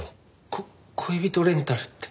こ恋人レンタルって。